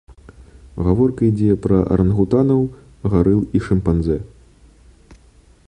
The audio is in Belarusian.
Гаворка ідзе пра арангутанаў, гарыл і шымпанзэ.